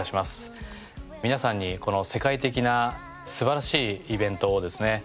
皆さんにこの世界的な素晴らしいイベントをですね